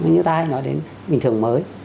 như ta nói đến bình thường mới